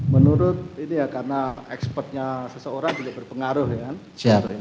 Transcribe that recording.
menurut ini ya karena expertnya seseorang juga berpengaruh ya kan